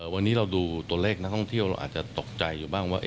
วันนี้เราดูตัวเลขนักท่องเที่ยวเราอาจจะตกใจอยู่บ้างว่า